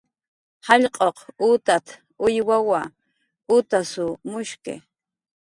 "Jallq'uq utat"" uywawa, utasw mushki."